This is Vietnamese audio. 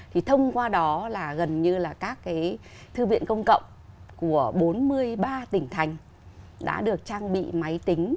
thì thông qua đó là gần như là các cái thư viện công cộng của bốn mươi ba tỉnh thành đã được trang bị máy tính